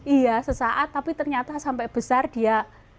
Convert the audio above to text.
iya sesaat tapi ternyata sampai besar dia